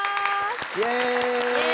イエーイ！